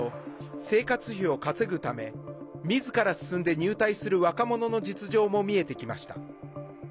取材を進めると生活費を稼ぐためみずから進んで入隊する若者の実情も見えてきました。